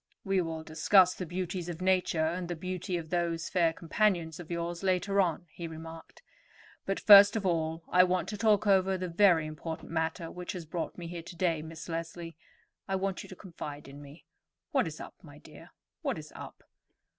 "We will discuss the beauties of nature and the beauty of those fair companions of yours later on," he remarked. "But first of all I want to talk over the very important matter which has brought me here to day. Miss Leslie, I want you to confide in me. What is up, my dear—what is up?"